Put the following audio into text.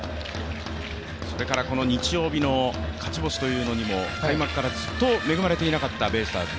それから、この日曜日の勝ち星というものにも開幕からずっと恵まれていなかったベイスターズ。